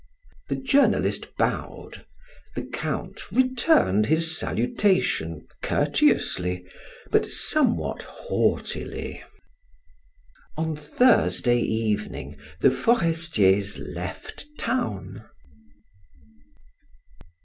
The journalist bowed, the Count returned his salutation courteously but somewhat haughtily. On Thursday evening the Forestiers left town.